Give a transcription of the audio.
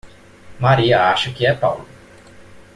Maria acha que é Paulo.